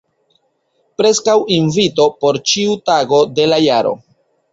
Preskaŭ invito por ĉiu tago de la jaro.